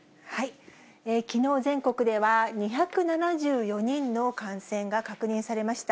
きのう、全国では２７４人の感染が確認されました。